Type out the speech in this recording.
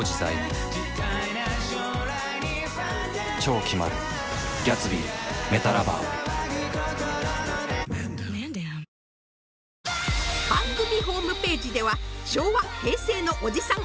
うまダブルなんで番組ホームページでは昭和・平成のおじさん